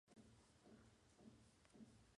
El código de los aliados era "Judy".